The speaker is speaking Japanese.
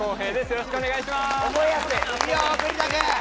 よろしくお願いします